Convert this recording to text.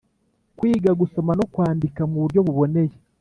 kwiga gusoma no kwandika mu buryo buboneye.